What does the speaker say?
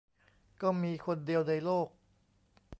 ก็มีคนเดียวในโลก